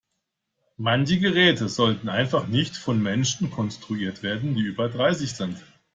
Manche Geräte sollten einfach nicht von Menschen konstruiert werden, die über dreißig sind.